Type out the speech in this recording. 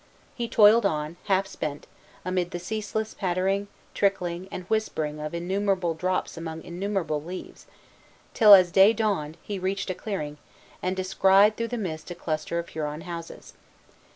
He toiled on, half spent, amid the ceaseless pattering, trickling, and whispering of innumerable drops among innumerable leaves, till, as day dawned, he reached a clearing, and descried through the mists a cluster of Huron houses.